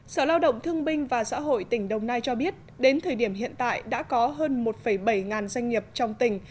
sở lao động thương binh và xã hội tỉnh đồng nai cho biết đến thời điểm hiện tại đã có hơn một bảy doanh nghiệp trong tỉnh